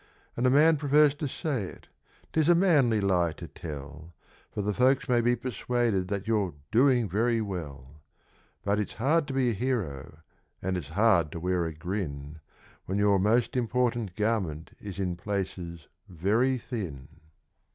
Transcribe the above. And a man prefers to say it 'tis a manly lie to tell, For the folks may be persuaded that you're doing very well ; But it's hard to be a hero, and it's hard to wear a grin, When your most important garment is in places very thin.